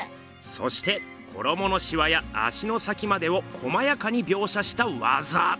そして衣のシワや足の先までをこまやかに描写したわざ。